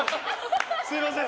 すいません。